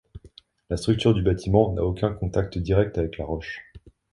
La structure du bâtiment n'a aucun contact direct avec la roche.